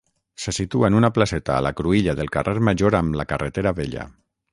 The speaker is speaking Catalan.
Se situa en una placeta a la cruïlla del carrer Major amb la carretera Vella.